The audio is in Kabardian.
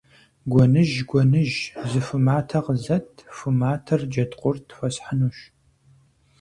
Гуэныжь, гуэныжь, зы ху матэ къызэт, ху матэр Джэдкъурт хуэсхьынущ.